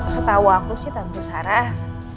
setahu aku sih tanpa sarah